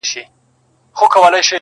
د ازلي قهرمانانو وطن!